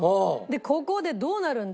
ここでどうなるんだ？